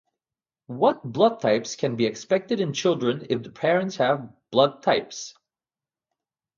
What blood types can be expected in children if the parents have blood types